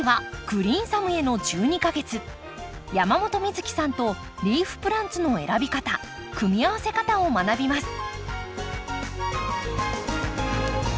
山本美月さんとリーフプランツの選び方組み合わせ方を学びます。